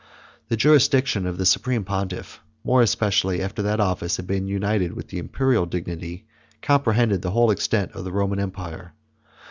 The jurisdiction of the supreme pontiff, more especially after that office had been united with the Imperial dignity, comprehended the whole extent of the Roman empire.